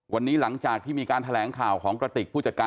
วันนี้